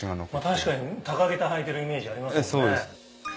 確かに高げた履いてるイメージありますもんね。